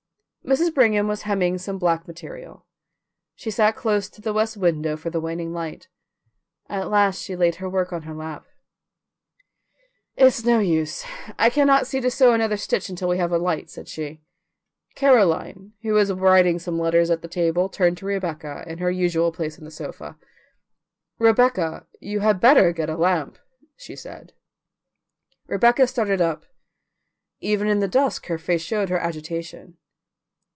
Mrs. Brigham was hemming some black material. She sat close to the west window for the waning light. At last she laid her work on her lap. "It's no use, I cannot see to sew another stitch until we have a light," said she. Caroline, who was writing some letters at the table, turned to Rebecca, in her usual place on the sofa. "Rebecca, you had better get a lamp," she said. Rebecca started up; even in the dusk her face showed her agitation.